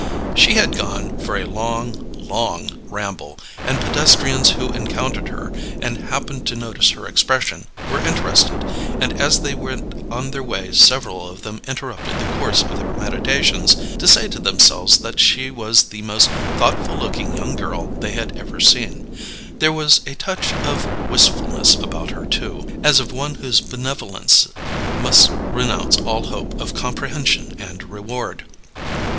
She had gone for a long, long ramble; and pedestrians who encountered her, and happened to notice her expression, were interested; and as they went on their way several of them interrupted the course of their meditations to say to themselves that she was the most thoughtful looking young girl they had ever seen. There was a touch of wistfulness about her, too; as of one whose benevolence must renounce all hope of comprehension and reward.